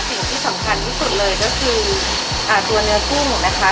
สิ่งที่สำคัญที่สุดเลยก็คือตัวเนื้อกุ้งนะคะ